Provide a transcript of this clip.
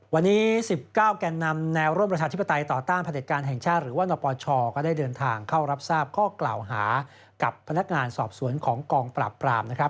วันนี้๑๙แก่นนำแนวร่วมประชาธิปไตยต่อต้านผลิตการแห่งชาติหรือว่านปชก็ได้เดินทางเข้ารับทราบข้อกล่าวหากับพนักงานสอบสวนของกองปราบปรามนะครับ